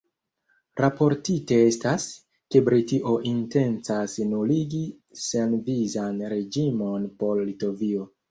Raportite estas, ke Britio intencas nuligi senvizan reĝimon por Litovio.